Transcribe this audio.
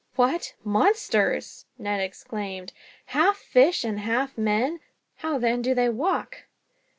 "What monsters!" Ned exclaimed. "Half fish and half men! How then do they walk?"